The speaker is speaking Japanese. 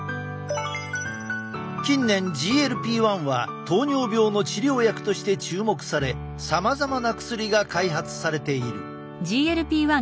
近年ＧＬＰ−１は糖尿病の治療薬として注目されさまざまな薬が開発されている。